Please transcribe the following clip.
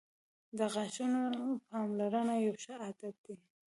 • د غاښونو پاملرنه یو ښه عادت دی.